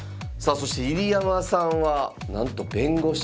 そして入山さんはなんと弁護士。